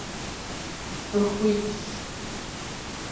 Фыхуитщ.